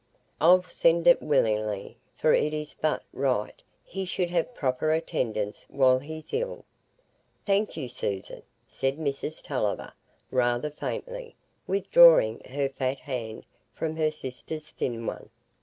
I'll send it willingly; for it is but right he should have proper attendance while he's ill." "Thank you, Susan," said Mrs Tulliver, rather faintly, withdrawing her fat hand from her sister's thin one.